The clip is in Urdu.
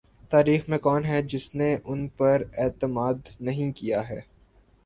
تاریخ میں کون ہے جس نے ان پر اعتماد نہیں کیا ہے۔